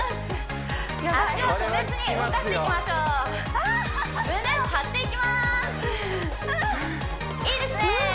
足を止めずに動かしていきましょう胸を張っていきますいいですね